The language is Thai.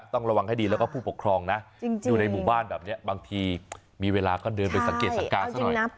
ต้องระวังให้ดีแล้วก็ผู้ปกครองนะอยู่ในหมู่บ้านแบบนี้บางทีมีเวลาก็เดินไปสังเกตสังการซะหน่อยนะ